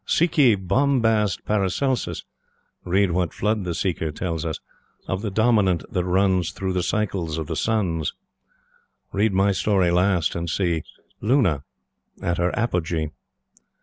Seek ye Bombast Paracelsus, Read what Flood the Seeker tells us Of the Dominant that runs Through the cycles of the Suns Read my story last and see Luna at her apogee.